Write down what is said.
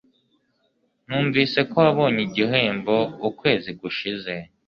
Numvise ko wabonye igihembo ukwezi gushize